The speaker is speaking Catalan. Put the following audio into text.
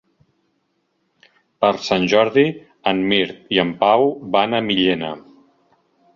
Per Sant Jordi en Mirt i en Pau van a Millena.